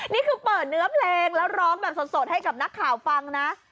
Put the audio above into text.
นี่คือเปิดเนื้อเพลงแล้วร้องแบบสดให้กับนักข่าวฟังนะ